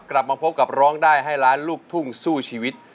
กลับมาพบกับร้องได้ให้ล้านลูกทุ่งสู้ชีวิต